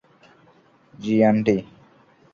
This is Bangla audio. জি, আন্টি!